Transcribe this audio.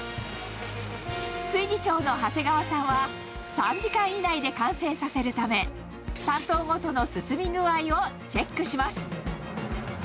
炊事長の長谷川さんは、３時間以内で完成させるため、担当ごとの進み具合をチェックします。